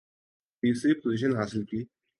تیسری پوزیشن حاصل کی